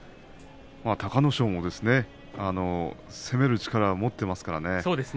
隆の勝も攻める力を持っていますからね。